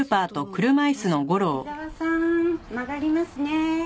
伊沢さーん曲がりますね。